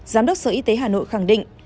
giám đốc sở y tế hà nội khẳng định